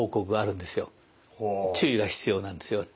注意が必要なんですよ。